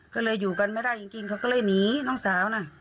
ก็เลยอยู่กันไม่ได้จริงเขาก็เลยหนีน้องสาวนะ